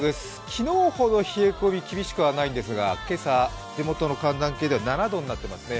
昨日ほど冷え込み厳しくないんですが今朝、地元の寒暖計では７度になっていますね。